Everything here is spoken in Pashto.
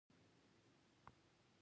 سورة یس ته د قران زړه ويل کيږي